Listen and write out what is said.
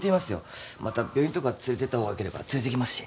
また病院とか連れてった方がよければ連れていきますし。